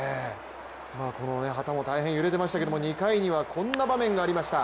この旗も大変揺れていましたけど、２回にはこんな場面がありました。